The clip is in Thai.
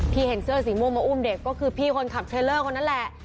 เห็นเสื้อสีม่วงมาอุ้มเด็กก็คือพี่คนขับเทรลเลอร์คนนั้นแหละ